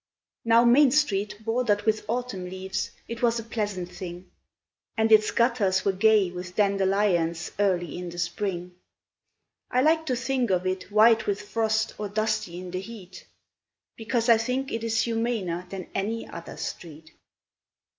Now, Main Street bordered with autumn leaves, it was a pleasant thing, And its gutters were gay with dandelions early in the Spring; I like to think of it white with frost or dusty in the heat, Because I think it is humaner than any other street.